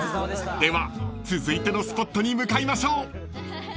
［では続いてのスポットに向かいましょう］